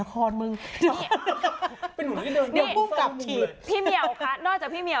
เค้าจะยิ้ม